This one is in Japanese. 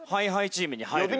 ＨｉＨｉチームに入る。